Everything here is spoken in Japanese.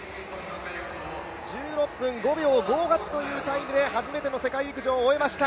１６分５秒５８というタイムで初めての世界陸上を終えました。